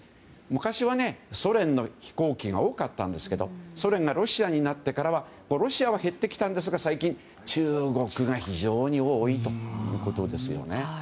昔はソ連の飛行機が多かったんですけどソ連がロシアになってからはロシアは減ってきたんですが最近、中国が非常に多いということですよね。